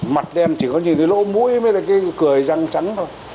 mặt đen chỉ có những cái lỗ mũi với cái cười răng trắng thôi